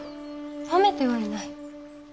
褒めてはいない。